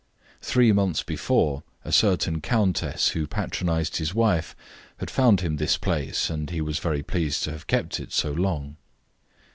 Three months before a certain countess, who patronised his wife, had found him this place, and he was very pleased to have kept it so long.